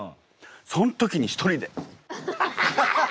そん時に一人で。